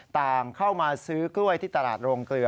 ต่างเข้ามาซื้อกล้วยที่ตลาดโรงเกลือ